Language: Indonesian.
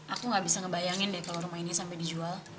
aku gak bisa ngebayangin deh kalau rumah ini sampai dijual